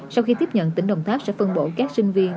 sau khi tiếp nhận tỉnh đồng tháp sẽ phân bổ các sinh viên